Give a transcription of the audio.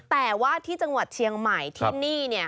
แต่ว่าที่จังหวัดเชียงใหม่ที่นี่เนี่ย